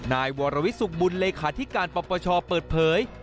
นายวรวิสุขบุญเลขาธิการปปชเปิดเผย